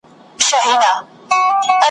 خیال دي لېمو کي زنګوم جانانه هېر مي نه کې `